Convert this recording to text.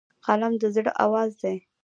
قلم د زړه آواز دی